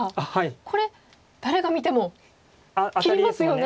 これ誰が見ても切りますよね。